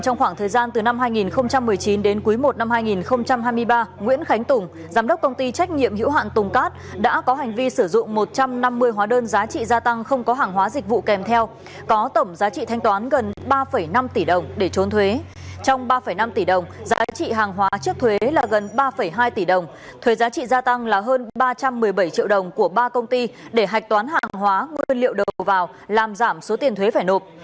nguyễn khánh tùng giám đốc công ty trách nhiệm hữu hạn tùng cát đã sử dụng một trăm năm mươi hóa đơn giá trị gia tăng không có hàng hóa dịch vụ kèm theo để trốn thuế công an tỉnh quảng bình vừa tiến hành khởi tố đối với nguyễn khánh tùng chú tại phường quảng phong thôn trường xuân xã phú hòa huyện quảng trạch